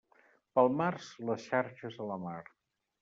Pel març, les xarxes a la mar.